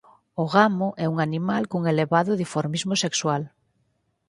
O gamo é un animal cun elevado dimorfismo sexual.